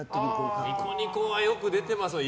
ニコニコはよく出てますよね。